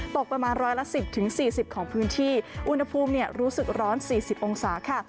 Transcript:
ตกประมาณร้อยละ๑๐๔๐ของพื้นที่อุณหภูมิรู้สึกร้อน๔๐องศาค่ะ